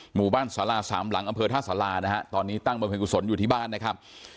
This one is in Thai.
หมู่บ้านสาราสามหลังอำเภอท่าสารานะฮะตอนนี้ตั้งบริเวณกุศลอยู่ที่บ้านนะครับ